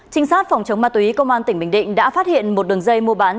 trinh sát phòng chống ma túy công an tỉnh bình định đã phát hiện một đường dây mua bán